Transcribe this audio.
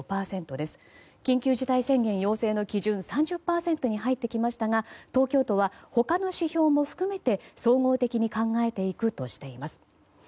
緊急事態宣言要請の基準３０％に入ってきましたが東京都は、他の指標も含めて総合的に考えていくとしています。